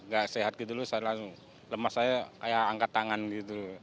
gak sehat gitu dulu lemas saya kayak angkat tangan gitu